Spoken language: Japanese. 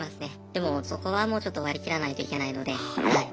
でもそこはもうちょっと割り切らないといけないのではい。